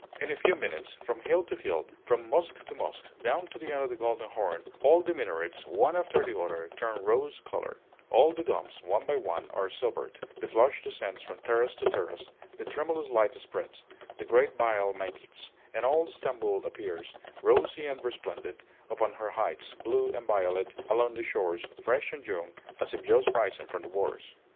In a few minutes, from hill to hill, from mosque to mosque, down to the end of the Golden Horn, all the minarets, one after the other, turn rose color; all the domes, one by one, are silvered, the flush descends from terrace to terrace, the tremulous light spreads, the great veil melts, and all Stamboul appears, rosy and resplendent upon her heights, blue and violet along the shores, fresh and young, as if just risen from the waters.